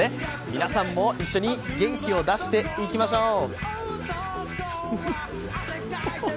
皆さんも一緒に元気を出していきましょう！